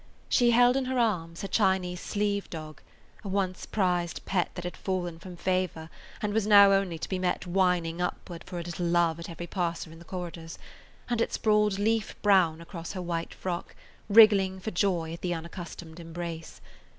She held in her arms her Chinese sleeve dog, a once prized pet that had fallen from favor and was now only to be met whining upward for a little love at every passer in the corridors, and it sprawled leaf brown across her white frock, wriggling for joy at the unaccustomed embrace.